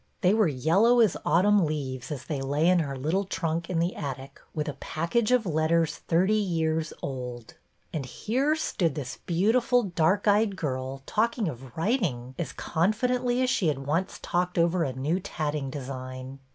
They were yellow as autumn leaves as they lay in her little trunk in the attic with a package of letters thirty years old ! And here stood this beautiful dark eyed girl talking of writing as confidently as she had once talked over a new tatting design.